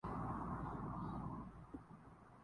وہ جو پرانوں کی جگہ لیں گے۔